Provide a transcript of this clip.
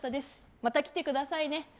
また来てくださいね。